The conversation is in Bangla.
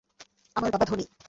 আমার বাবা ধনী।